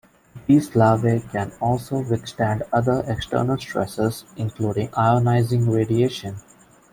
These larvae can also withstand other external stresses including ionizing radiation.